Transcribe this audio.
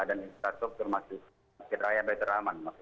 dan infrastruktur masjid raya baitur rahman